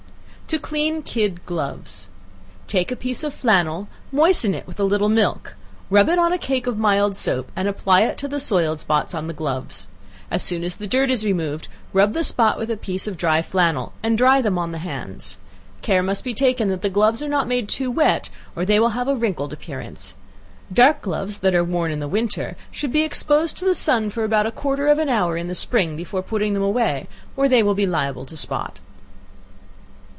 To Clean Kid Gloves. Take a piece of flannel; moisten it with a little milk; rub it on a cake of mild soap, and apply it to the soiled spots on the gloves; as soon as the dirt is removed, rub the spot with a dry piece of flannel, and dry them on the hands. Care must be taken that the gloves are not made too wet, or they will have a wrinkled appearance. Dark gloves that are worn in winter, should be exposed to the sun for about a quarter of an hour in the spring, before putting them away, or they will be liable to spot.